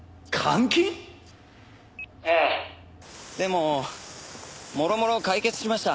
「ええ」でももろもろ解決しました。